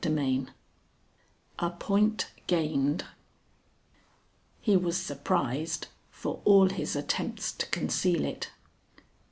XXVI A POINT GAINED He was surprised, for all his attempts to conceal it.